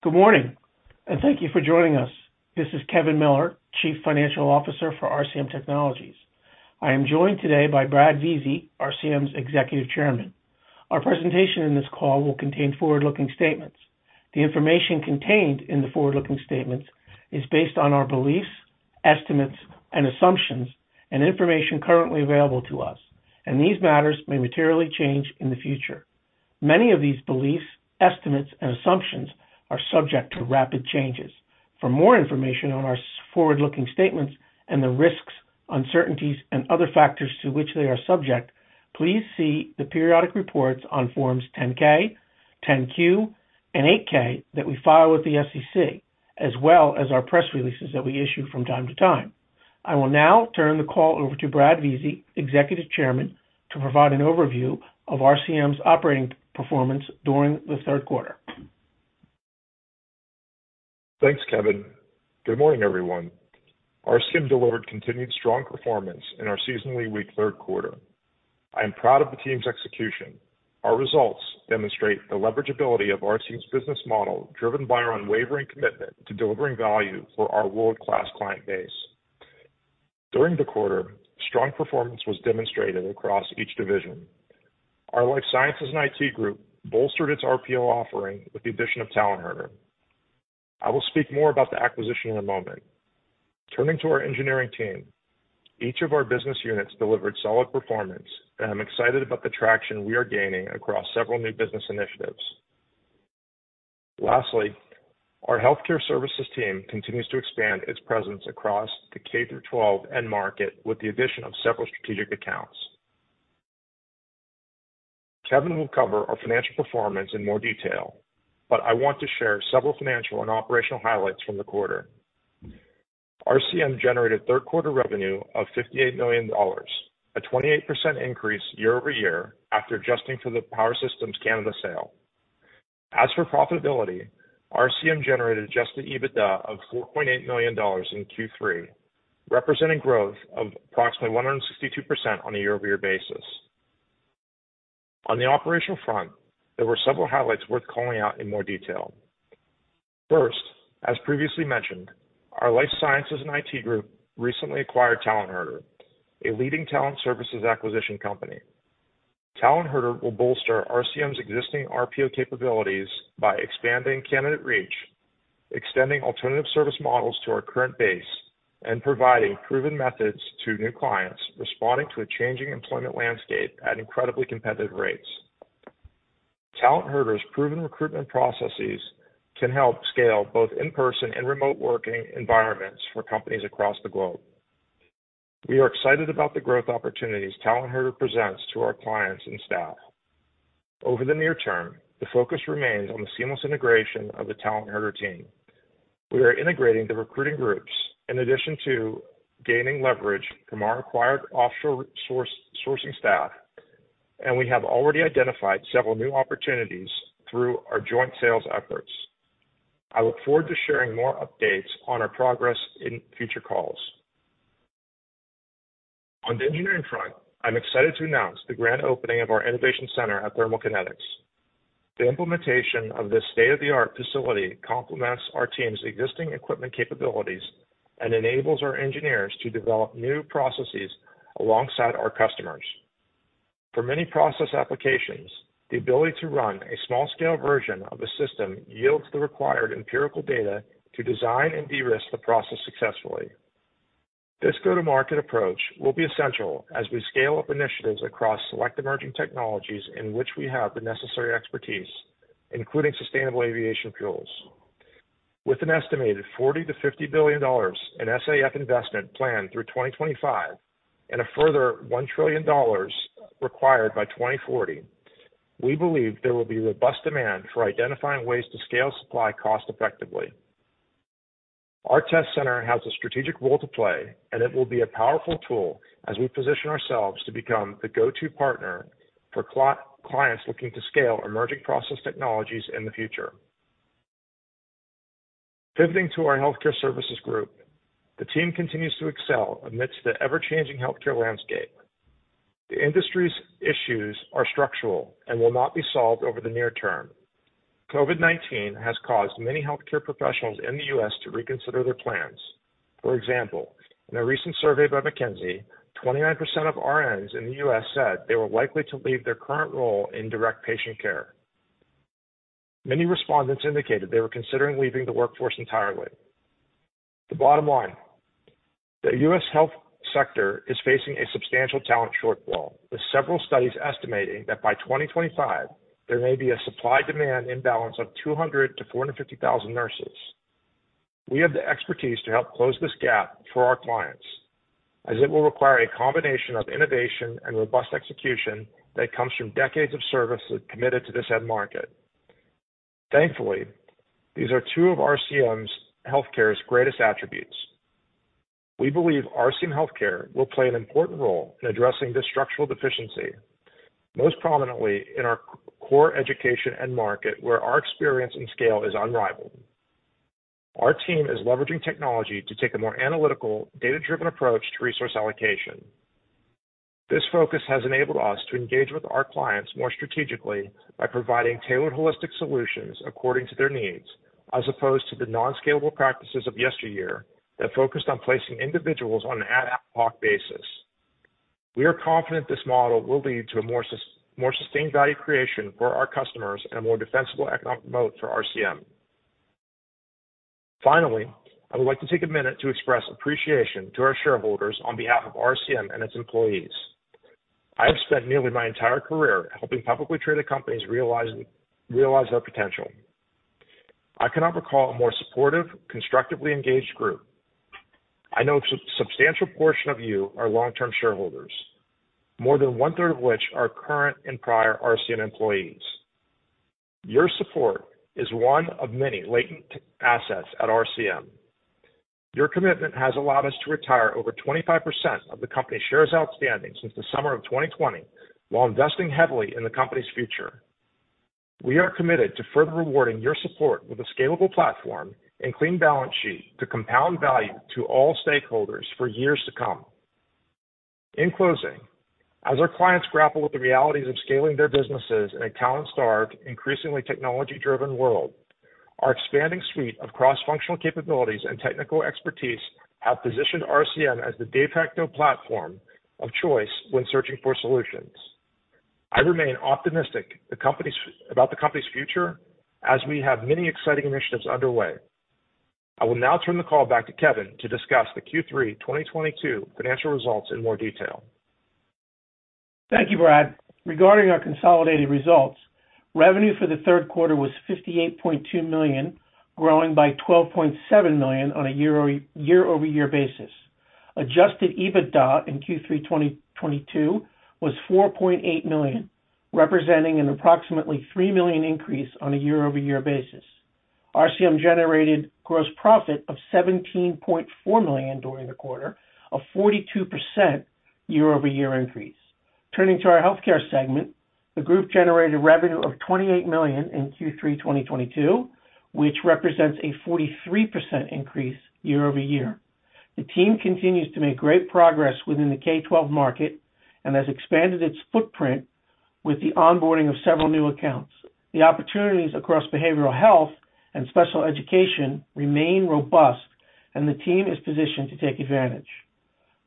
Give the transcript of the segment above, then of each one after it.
Good morning, and thank you for joining us. This is Kevin Miller, Chief Financial Officer for RCM Technologies. I am joined today by Brad Vizi, RCM's Executive Chairman. Our presentation in this call will contain forward-looking statements. The information contained in the forward-looking statements is based on our beliefs, estimates, and assumptions, and information currently available to us, and these matters may materially change in the future. Many of these beliefs, estimates, and assumptions are subject to rapid changes. For more information on our forward-looking statements and the risks, uncertainties, and other factors to which they are subject, please see the periodic reports on Forms 10-K, 10-Q, and 8-K that we file with the SEC, as well as our press releases that we issue from time to time. I will now turn the call over to Brad Vizi, Executive Chairman, to provide an overview of RCM's operating performance during the third quarter. Thanks, Kevin. Good morning, everyone. RCM delivered continued strong performance in our seasonally weak third quarter. I am proud of the team's execution. Our results demonstrate the leverageability of RCM's business model, driven by our unwavering commitment to delivering value for our world-class client base. During the quarter, strong performance was demonstrated across each division. Our Life Sciences and IT group bolstered its RPO offering with the addition of TalentHerder. I will speak more about the acquisition in a moment. Turning to our Engineering team, each of our business units delivered solid performance, and I'm excited about the traction we are gaining across several new business initiatives. Lastly, our Healthcare Services team continues to expand its presence across the K-12 end market with the addition of several strategic accounts. Kevin will cover our financial performance in more detail, but I want to share several financial and operational highlights from the quarter. RCM generated third quarter revenue of $58 million, a 28% increase year-over-year after adjusting for the Power Systems Canada sale. As for profitability, RCM generated adjusted EBITDA of $4.8 million in Q3, representing growth of approximately 162% on a year-over-year basis. On the operational front, there were several highlights worth calling out in more detail. First, as previously mentioned, our Life Sciences and IT group recently acquired TalentHerder, a leading talent services acquisition company. TalentHerder will bolster RCM's existing RPO capabilities by expanding candidate reach, extending alternative service models to our current base, and providing proven methods to new clients responding to a changing employment landscape at incredibly competitive rates. TalentHerder's proven recruitment processes can help scale both in-person and remote working environments for companies across the globe. We are excited about the growth opportunities TalentHerder presents to our clients and staff. Over the near term, the focus remains on the seamless integration of the TalentHerder team. We are integrating the recruiting groups in addition to gaining leverage from our acquired offshore source-sourcing staff, and we have already identified several new opportunities through our joint sales efforts. I look forward to sharing more updates on our progress in future calls. On the Engineering front, I'm excited to announce the grand opening of our Innovation Center at Thermal Kinetics. The implementation of this state-of-the-art facility complements our team's existing equipment capabilities and enables our engineers to develop new processes alongside our customers. For many process applications, the ability to run a small-scale version of a system yields the required empirical data to design and de-risk the process successfully. This go-to-market approach will be essential as we scale up initiatives across select emerging technologies in which we have the necessary expertise, including Sustainable Aviation Fuels. With an estimated $40 billion-$50 billion in SAF investment planned through 2025, and a further $1 trillion required by 2040, we believe there will be robust demand for identifying ways to scale supply cost effectively. Our test center has a strategic role to play, and it will be a powerful tool as we position ourselves to become the go-to partner for clients looking to scale emerging process technologies in the future. Pivoting to our Healthcare Services group, the team continues to excel amidst the ever-changing Healthcare landscape. The industry's issues are structural and will not be solved over the near term. COVID-19 has caused many Healthcare professionals in the U.S. to reconsider their plans. For example, in a recent survey by McKinsey, 29% of RNs in the U.S. said they were likely to leave their current role in direct patient care. Many respondents indicated they were considering leaving the workforce entirely. The bottom line, the U.S. health sector is facing a substantial talent shortfall, with several studies estimating that by 2025, there may be a supply-demand imbalance of 200-450,000 nurses. We have the expertise to help close this gap for our clients, as it will require a combination of innovation and robust execution that comes from decades of services committed to this end market. Thankfully, these are two of RCM Healthcare's greatest attributes. We believe RCM Healthcare will play an important role in addressing this structural deficiency, most prominently in our K-12 education end market where our experience and scale is unrivaled. Our team is leveraging technology to take a more analytical, data-driven approach to resource allocation. This focus has enabled us to engage with our clients more strategically by providing tailored holistic solutions according to their needs, as opposed to the non-scalable practices of yesteryear that focused on placing individuals on an ad hoc basis. We are confident this model will lead to a more sustained value creation for our customers and a more defensible economic moat for RCM. Finally, I would like to take a minute to express appreciation to our shareholders on behalf of RCM and its employees. I have spent nearly my entire career helping publicly traded companies realize their potential. I cannot recall a more supportive, constructively engaged group. I know substantial portion of you are long-term shareholders, more than one-third of which are current and prior RCM employees. Your support is one of many latent assets at RCM. Your commitment has allowed us to retire over 25% of the company shares outstanding since the summer of 2020, while investing heavily in the company's future. We are committed to further rewarding your support with a scalable platform and clean balance sheet to compound value to all stakeholders for years to come. In closing, as our clients grapple with the realities of scaling their businesses in a talent-starved, increasingly technology-driven world, our expanding suite of cross-functional capabilities and technical expertise have positioned RCM as the de facto platform of choice when searching for solutions. I remain optimistic about the company's future as we have many exciting initiatives underway. I will now turn the call back to Kevin to discuss the Q3 2022 financial results in more detail. Thank you, Brad. Regarding our consolidated results, revenue for the third quarter was $58.2 million, growing by $12.7 million on a year-over-year basis. Adjusted EBITDA in Q3 2022 was $4.8 million, representing an approximately $3 million increase on a year-over-year basis. RCM generated gross profit of $17.4 million during the quarter, a 42% year-over-year increase. Turning to our Healthcare segment, the group generated revenue of $28 million in Q3 2022, which represents a 43% increase year-over-year. The team continues to make great progress within the K-12 market and has expanded its footprint with the onboarding of several new accounts. The opportunities across behavioral health and special education remain robust, and the team is positioned to take advantage.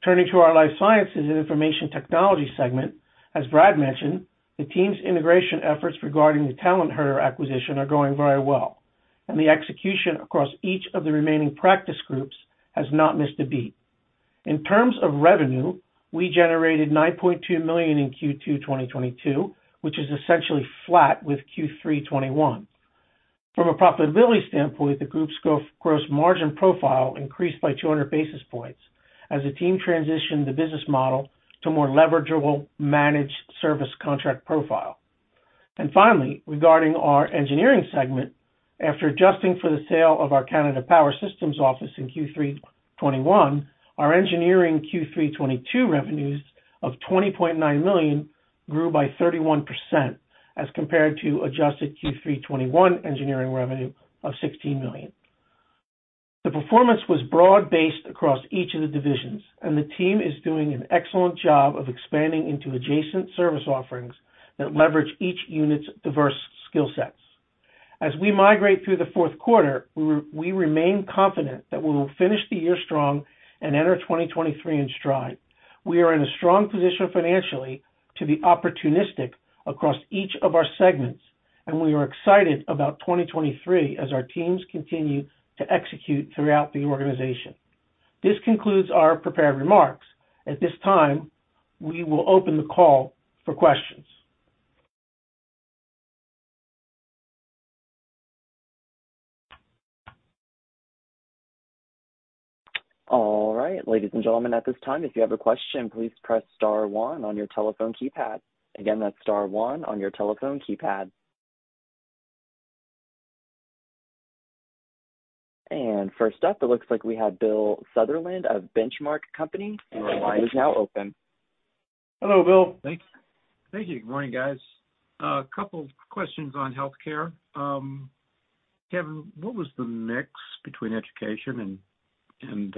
Turning to our Life Sciences and Information Technology segment, as Brad mentioned, the team's integration efforts regarding the TalentHerder acquisition are going very well, and the execution across each of the remaining practice groups has not missed a beat. In terms of revenue, we generated $9.2 million in Q2 2022, which is essentially flat with Q3 2021. From a profitability standpoint, the group's gross margin profile increased by 200 basis points as the team transitioned the business model to a more leverageable managed service contract profile. Finally, regarding our Engineering segment, after adjusting for the sale of our Power Systems Canada office in Q3 2021, our Engineering Q3 2022 revenues of $20.9 million grew by 31% as compared to adjusted Q3 2021 Engineering revenue of $16 million. The performance was broad-based across each of the divisions, and the team is doing an excellent job of expanding into adjacent service offerings that leverage each unit's diverse skill sets. As we migrate through the fourth quarter, we remain confident that we will finish the year strong and enter 2023 in stride. We are in a strong position financially to be opportunistic across each of our segments, and we are excited about 2023 as our teams continue to execute throughout the organization. This concludes our prepared remarks. At this time, we will open the call for questions. All right. Ladies and gentlemen, at this time, if you have a question, please press star one on your telephone keypad. Again, that's star one on your telephone keypad. First up, it looks like we have Bill Sutherland of The Benchmark Company. Your line is now open. Hello, Bill. Thanks. Thank you. Good morning, guys. A couple questions on Healthcare. Kevin, what was the mix between education and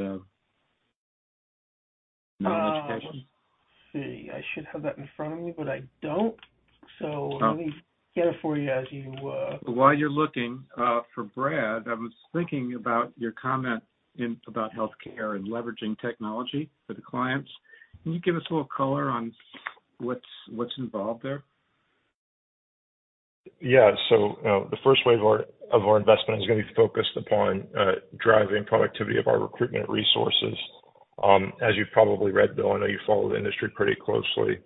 non-education? Let's see. I should have that in front of me, but I don't. Let me get it for you as you, While you're looking for Brad, I was thinking about your comment about Healthcare and leveraging technology for the clients. Can you give us a little color on what's involved there? Yeah. You know, the first wave of our investment is going to be focused upon driving productivity of our recruitment resources. As you've probably read, Bill, I know you follow the industry pretty closely.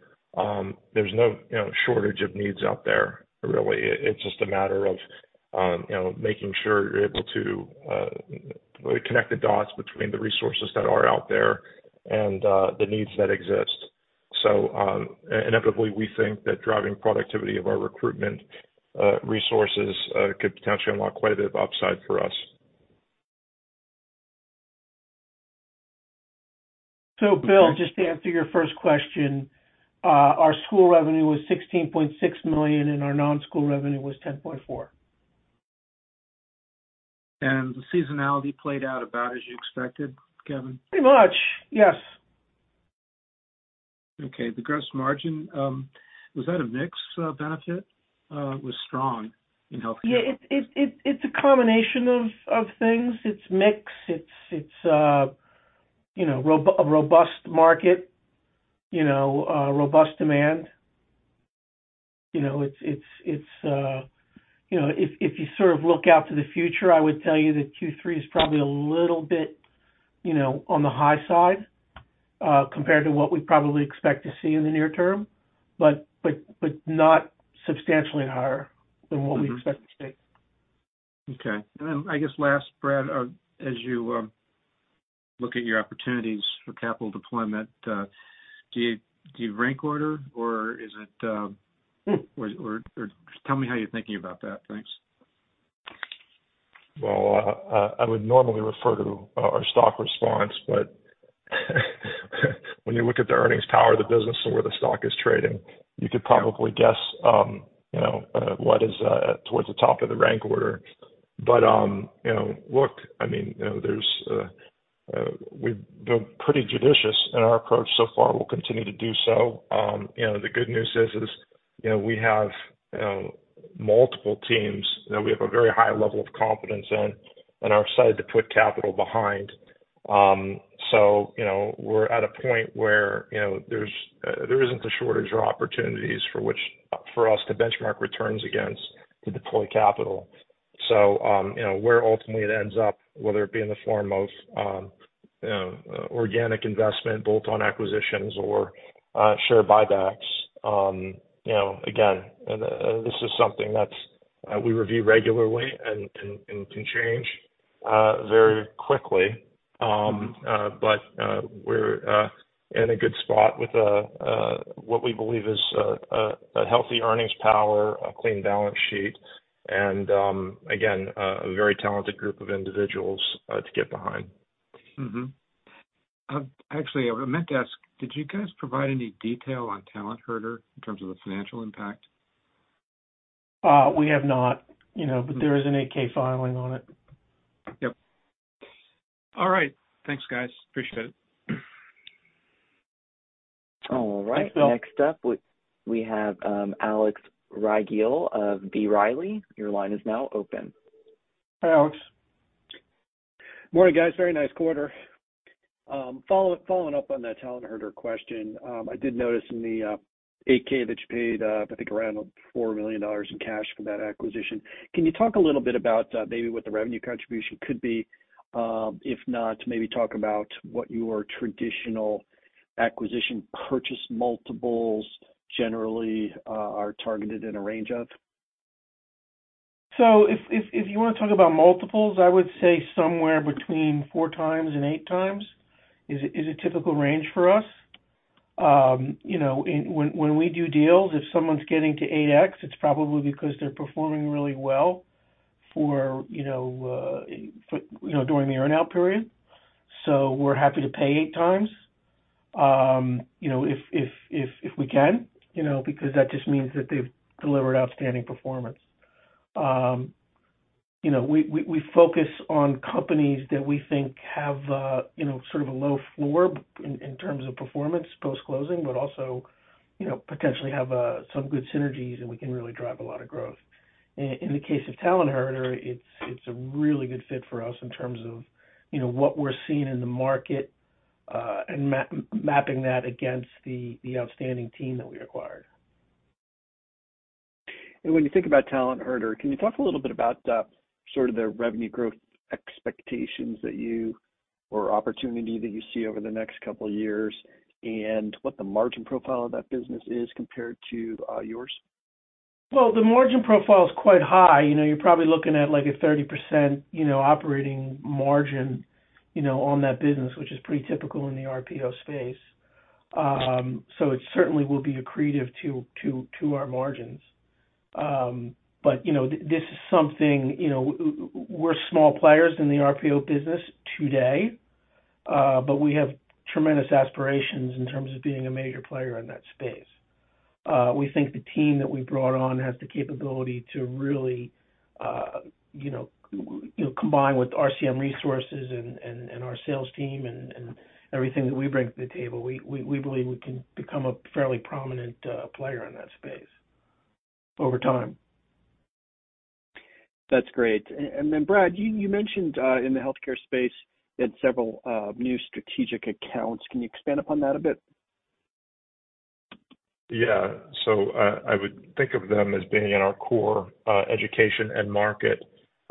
There's no, you know, shortage of needs out there really. It's just a matter of, you know, making sure you're able to connect the dots between the resources that are out there and the needs that exist. Inevitably, we think that driving productivity of our recruitment resources could potentially unlock quite a bit of upside for us. Bill, just to answer your first question, our school revenue was $16.6 million, and our non-school revenue was $10.4 million. The seasonality played out about as you expected, Kevin? Pretty much, yes. Okay. The gross margin was that a mix benefit? It was strong in Healthcare. Yeah, it's a combination of things. It's a mix. It's a robust market, you know, robust demand. You know, it's, you know, if you sort of look out to the future, I would tell you that Q3 is probably a little bit, you know, on the high side compared to what we probably expect to see in the near term, but not substantially higher than what we expect to see. Okay. I guess last, Brad, as you look at your opportunities for capital deployment, do you rank order, or is it? Hmm. Tell me how you're thinking about that. Thanks. Well, I would normally refer to our stock response, but when you look at the earnings power of the business and where the stock is trading, you could probably guess, you know, what is towards the top of the rank order. You know, look, I mean, you know, there's, we've been pretty judicious in our approach so far. We'll continue to do so. You know, the good news is, you know, we have, you know, multiple teams that we have a very high level of confidence in and are excited to put capital behind. You know, we're at a point where, you know, there's, there isn't a shortage of opportunities for us to benchmark returns against to deploy capital. You know, where ultimately it ends up, whether it be in the form of, you know, organic investment, bolt-on acquisitions or share buybacks, you know, again, this is something that we review regularly and can change very quickly. We're in a good spot with what we believe is a healthy earnings power, a clean balance sheet, and again a very talented group of individuals to get behind. Actually, I meant to ask, did you guys provide any detail on TalentHerder in terms of the financial impact? We have not, you know, but there is an 8-K filing on it. Yep. All right. Thanks, guys. Appreciate it. Thanks, Bill. All right. Next up, we have Alex Rygiel of B. Riley. Your line is now open. Hi, Alex. Morning, guys. Very nice quarter. Following up on that TalentHerder question. I did notice in the 8-K that you paid, I think around $4 million in cash for that acquisition. Can you talk a little bit about maybe what the revenue contribution could be? If not, maybe talk about what your traditional acquisition purchase multiples generally are targeted in a range of. If you wanna talk about multiples, I would say somewhere between 4x and 8x is a typical range for us. When we do deals, if someone's getting to 8x, it's probably because they're performing really well, you know, during the earnout period. We're happy to pay 8x if we can, you know, because that just means that they've delivered outstanding performance. We focus on companies that we think have, you know, sort of a low floor in terms of performance post-closing, but also, you know, potentially have some good synergies, and we can really drive a lot of growth. In the case of TalentHerder, it's a really good fit for us in terms of, you know, what we're seeing in the market, and mapping that against the outstanding team that we acquired. When you think about TalentHerder, can you talk a little bit about sort of the revenue growth expectations or the opportunity that you see over the next couple of years and what the margin profile of that business is compared to yours? Well, the margin profile is quite high. You know, you're probably looking at, like, a 30%, you know, operating margin, you know, on that business, which is pretty typical in the RPO space. It certainly will be accretive to our margins. You know, this is something, you know, we're small players in the RPO business today, but we have tremendous aspirations in terms of being a major player in that space. We think the team that we brought on has the capability to really, you know, you know, combine with RCM resources and our sales team and everything that we bring to the table. We believe we can become a fairly prominent player in that space over time. That's great. Brad, you mentioned in the Healthcare space you had several new strategic accounts. Can you expand upon that a bit? Yeah. I would think of them as being in our core education end market,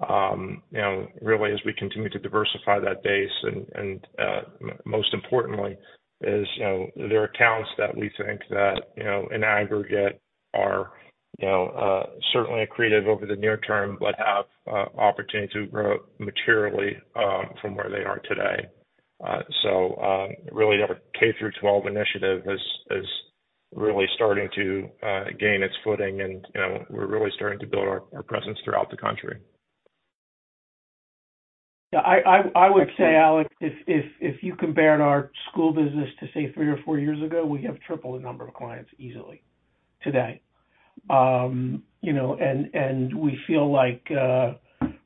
you know, really as we continue to diversify that base. Most importantly is, you know, they're accounts that we think that, you know, in aggregate are, you know, certainly accretive over the near term, but have opportunity to grow materially from where they are today. Really have a K-12 initiative is really starting to gain its footing, and, you know, we're really starting to build our presence throughout the country. Yeah, I would say, Alex, if you compared our school business to, say, three or four years ago, we have triple the number of clients easily today. You know, we feel like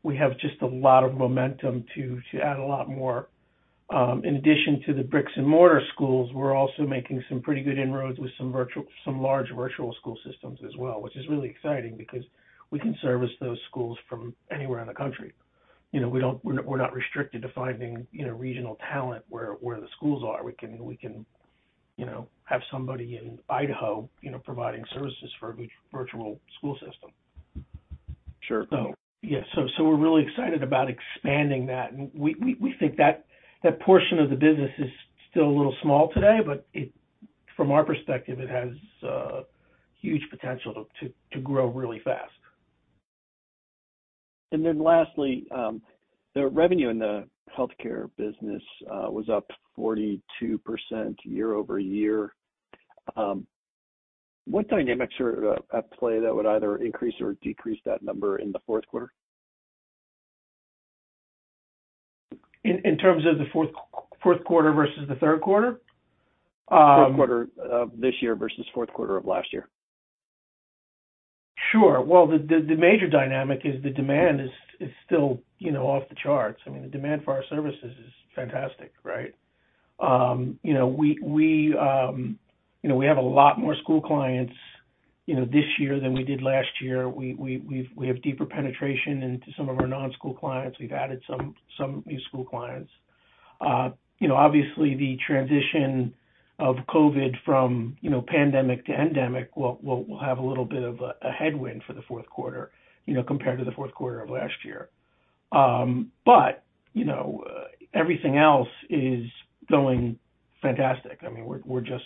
we have just a lot of momentum to add a lot more. In addition to the bricks and mortar schools, we're also making some pretty good inroads with some large virtual school systems as well, which is really exciting because we can service those schools from anywhere in the country. You know, we don't. We're not restricted to finding, you know, regional talent where the schools are. We can have somebody in Idaho, you know, providing services for a virtual school system. Sure. Yeah. We're really excited about expanding that. We think that portion of the business is still a little small today, but it, from our perspective, it has huge potential to grow really fast. The revenue in the Healthcare business was up 42% year-over-year. What dynamics are at play that would either increase or decrease that number in the fourth quarter? In terms of the fourth quarter versus the third quarter? Fourth quarter of this year versus fourth quarter of last year. Sure. Well, the major dynamic is the demand is still, you know, off the charts. I mean, the demand for our services is fantastic, right? You know, we have a lot more school clients, you know, this year than we did last year. We have deeper penetration into some of our non-school clients. We've added some new school clients. You know, obviously the transition of COVID from pandemic to endemic will have a little bit of a headwind for the fourth quarter, you know, compared to the fourth quarter of last year. You know, everything else is going fantastic. I mean, we're just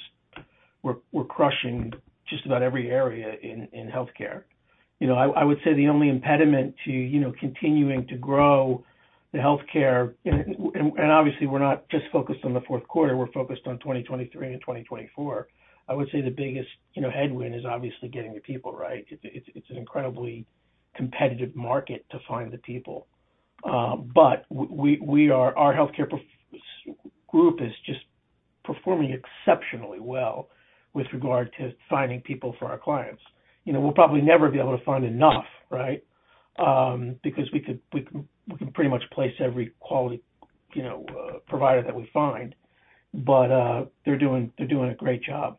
crushing just about every area in Healthcare. You know, I would say the only impediment to, you know, continuing to grow the Healthcare, and obviously we're not just focused on the fourth quarter, we're focused on 2023 and 2024. I would say the biggest, you know, headwind is obviously getting the people, right? It's an incredibly competitive market to find the people. But we are—our Healthcare group is just performing exceptionally well with regard to finding people for our clients. You know, we'll probably never be able to find enough, right? Because we can pretty much place every quality, you know, provider that we find, but they're doing a great job.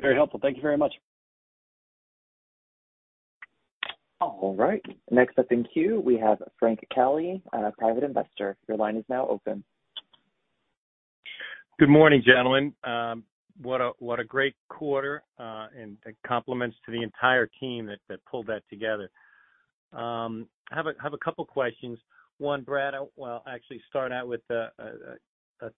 Very helpful. Thank you very much. All right. Next up in queue, we have Frank Kelly, Private Investor. Your line is now open. Good morning, gentlemen. What a great quarter, and compliments to the entire team that pulled that together. I have a couple questions. One, Brad, well, I'll actually start out with a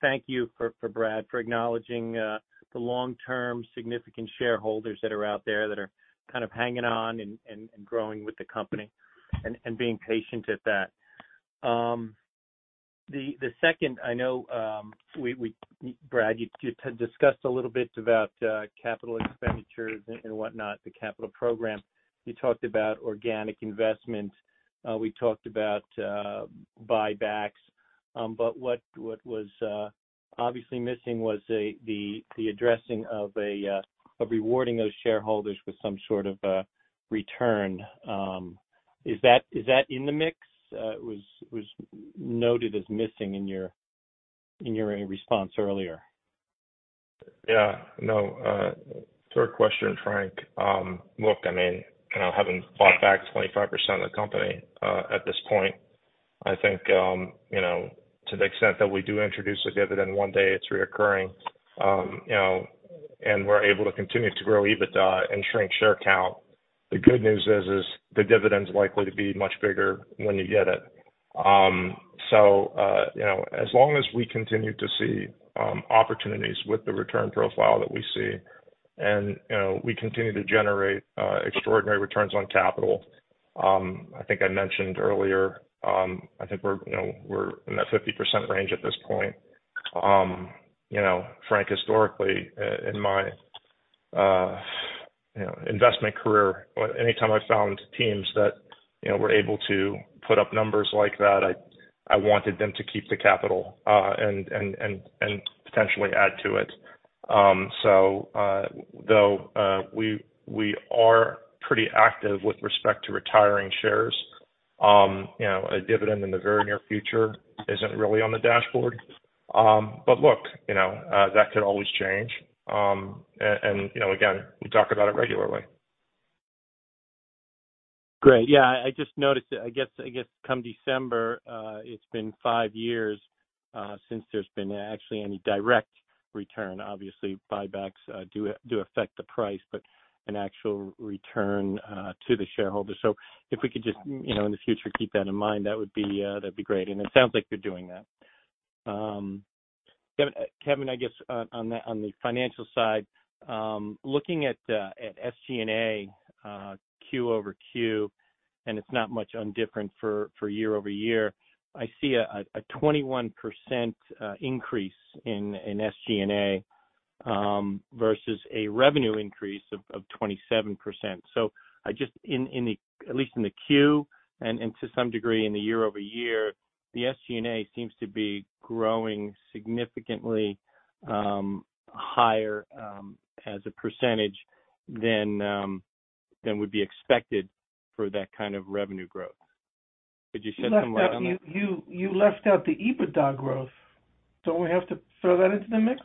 thank you for Brad for acknowledging the long-term significant shareholders that are out there that are kind of hanging on and growing with the company and being patient at that. The second, Brad, you discussed a little bit about capital expenditures and whatnot, the capital program. You talked about organic investment. We talked about buybacks. But what was obviously missing was the addressing of rewarding those shareholders with some sort of a return. Is that in the mix? It was noted as missing in your response earlier. Yeah. No, to our question, Frank, look, I mean, you know, having bought back 25% of the company, at this point, I think, you know, to the extent that we do introduce a dividend one day, it's recurring, you know, and we're able to continue to grow EBITDA and shrink share count. The good news is the dividend is likely to be much bigger when you get it. So, you know, as long as we continue to see opportunities with the return profile that we see, and, you know, we continue to generate extraordinary returns on capital, I think I mentioned earlier, I think we're, you know, we're in that 50% range at this point. You know, Frank, historically in my, you know, investment career, anytime I found teams that, you know, were able to put up numbers like that, I wanted them to keep the capital, and potentially add to it. Though, we are pretty active with respect to retiring shares, you know, a dividend in the very near future isn't really on the dashboard. Look, you know, that could always change. You know, again, we talk about it regularly. Great. Yeah. I just noticed that, I guess, come December, it's been 5 years since there's been actually any direct return. Obviously, buybacks do affect the price, but an actual return to the shareholder. If we could just, you know, in the future, keep that in mind, that'd be great. It sounds like you're doing that. Kevin, I guess on the financial side, looking at SG&A, Q over Q, and it's not much different for year-over-year. I see a 21% increase in SG&A versus a revenue increase of 27%. At least in the Q1, and to some degree in the year-over-year, the SG&A seems to be growing significantly higher as a percentage than would be expected for that kind of revenue growth. Could you shed some light on that? You left out the EBITDA growth. Don't we have to throw that into the mix?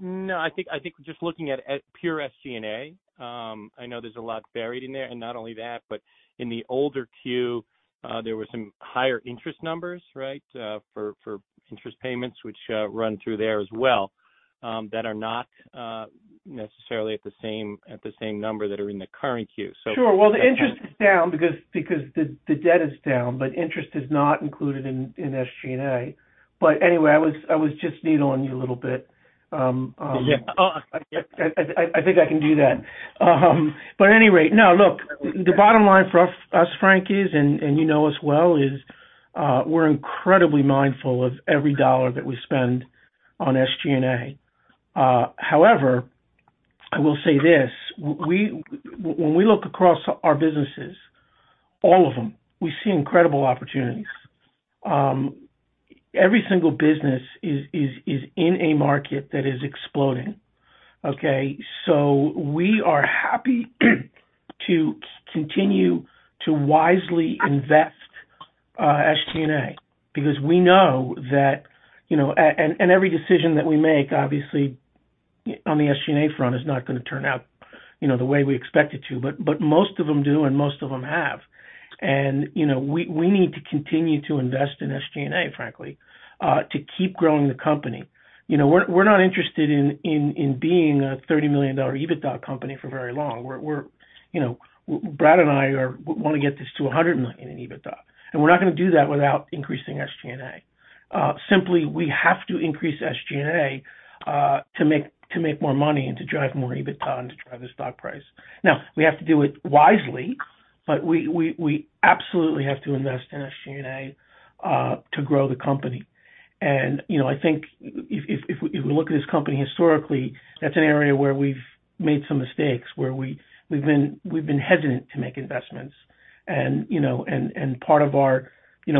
No. I think we're just looking at pure SG&A. I know there's a lot buried in there, and not only that, but in the older Q, there were some higher interest numbers, right, for interest payments, which run through there as well, that are not necessarily at the same number that are in the current Q. Sure. Well, the interest is down because the debt is down, but interest is not included in SG&A. Anyway, I was just needling you a little bit. Yeah. I think I can do that. Anyway. No, look, the bottom line for us, Frank, is, and you know as well, is we're incredibly mindful of every dollar that we spend on SG&A. However, I will say this, when we look across our businesses, all of them, we see incredible opportunities. Every single business is in a market that is exploding, okay? We are happy to continue to wisely invest SG&A because we know that, you know. Every decision that we make, obviously on the SG&A front, is not gonna turn out, you know, the way we expect it to, but most of them do, and most of them have. You know, we need to continue to invest in SG&A, frankly, to keep growing the company. You know, we're not interested in being a $30 million EBITDA company for very long. You know, Brad and I want to get this to $100 million in EBITDA. We're not gonna do that without increasing SG&A. Simply we have to increase SG&A to make more money and to drive more EBITDA and to drive the stock price. We have to do it wisely, but we absolutely have to invest in SG&A to grow the company. You know, I think if we look at this company historically, that's an area where we've made some mistakes, where we've been hesitant to make investments. You know, part of our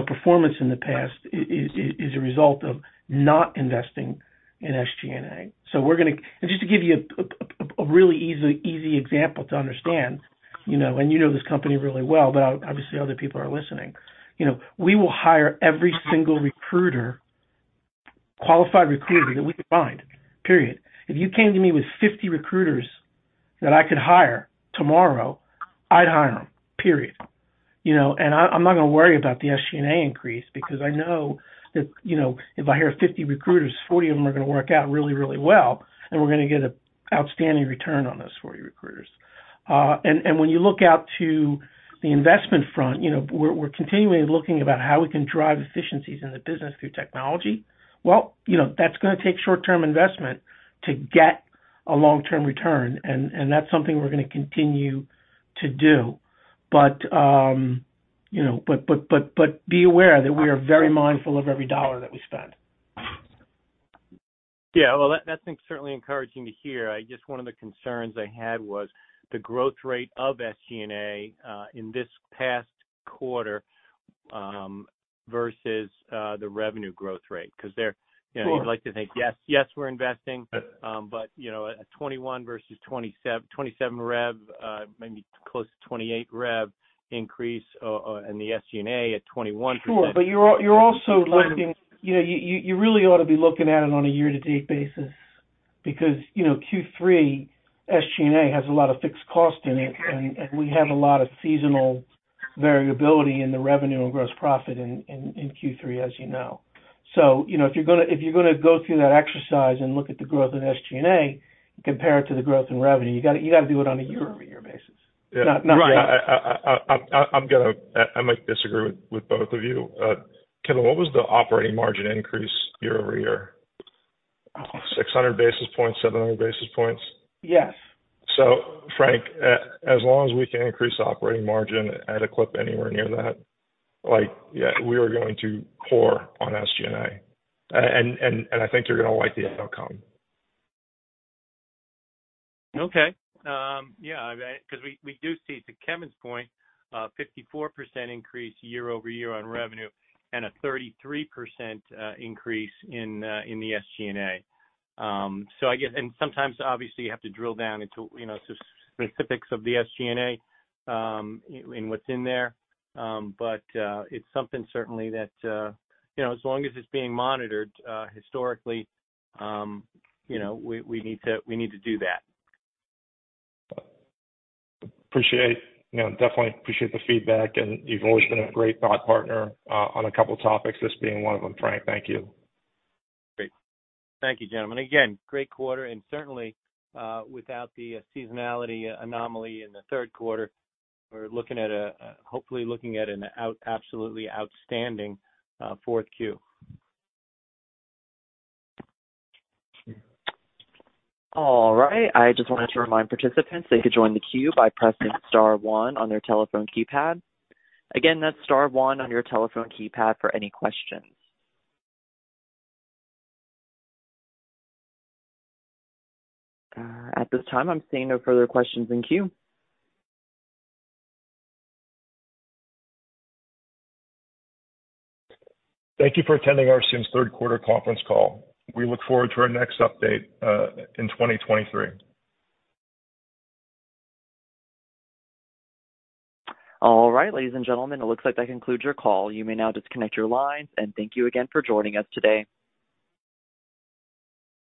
performance in the past is a result of not investing in SG&A. Just to give you a really easy example to understand, you know, and you know this company really well, but obviously other people are listening. You know, we will hire every single recruiter, qualified recruiter that we can find, period. If you came to me with 50 recruiters that I could hire tomorrow, I'd hire them, period. You know? I'm not gonna worry about the SG&A increase because I know that, you know, if I hire 50 recruiters, 40 of them are gonna work out really well, and we're gonna get an outstanding return on those 40 recruiters. And when you look out to the investment front, you know, we're continually looking about how we can drive efficiencies in the business through technology. Well, you know, that's gonna take short-term investment to get a long-term return, and that's something we're gonna continue to do. You know, but be aware that we are very mindful of every dollar that we spend. Yeah. Well, that's certainly encouraging to hear. I guess one of the concerns I had was the growth rate of SG&A in this past quarter versus the revenue growth rate, 'cause they're you know. Sure. You'd like to think, yes, we're investing. Yes. you know, a $21 versus $27 rev in the SG&A at 21%. Sure. You're also looking. You know, you really ought to be looking at it on a year-to-date basis because, you know, Q3, SG&A has a lot of fixed cost in it, and we have a lot of seasonal variability in the revenue and gross profit in Q3, as you know. You know, if you're gonna go through that exercise and look at the growth in SG&A compared to the growth in revenue, you gotta do it on a year-over-year basis. Yeah. Not month over Right. I might disagree with both of you. Kevin, what was the operating margin increase year-over-year? 600 basis points, 700 basis points? Yes. Frank, as long as we can increase operating margin at a clip anywhere near that, like, yeah, we are going to core on SG&A. I think you're gonna like the outcome. Yeah, because we do see, to Kevin's point, 54% increase year-over-year on revenue and a 33% increase in the SG&A. Sometimes obviously you have to drill down into, you know, specifics of the SG&A, and what's in there. But it's something certainly that, you know, as long as it's being monitored, historically, you know, we need to do that. Appreciate. You know, definitely appreciate the feedback, and you've always been a great thought partner on a couple topics, this being one of them, Frank. Thank you. Great. Thank you, gentlemen. Again, great quarter, and certainly without the seasonality anomaly in the third quarter, we're hopefully looking at an absolutely outstanding fourth Q. All right. I just wanted to remind participants they could join the queue by pressing star one on their telephone keypad. Again, that's star one on your telephone keypad for any questions. At this time, I'm seeing no further questions in queue. Thank you for attending RCM's third quarter conference call. We look forward to our next update in 2023. All right, ladies and gentlemen, it looks like that concludes your call. You may now disconnect your lines, and thank you again for joining us today.